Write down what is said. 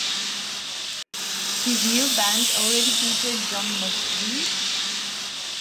His new band already featured John McVie.